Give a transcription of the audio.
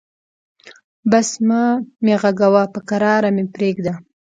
بس مه مې غږوه، به کرار مې پرېږده.